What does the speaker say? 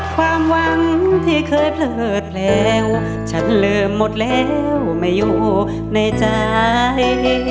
ความหวังที่เคยเผลิดแล้วฉันลืมหมดแล้วไม่อยู่ในใจ